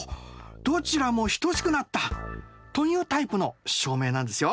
どちらも等しくなった！というタイプの証明なんですよ。